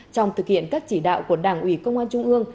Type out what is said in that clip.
trong thực hiện các chỉ đạo của đảng ủy công an trung ương